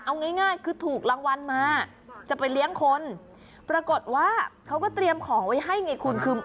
เอาง่ายง่ายคือถูกรางวัลมาจะไปเลี้ยงคนปรากฏว่าเขาก็เตรียมของไว้ให้ไงคุณคือ